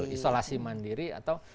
isolasi mandiri atau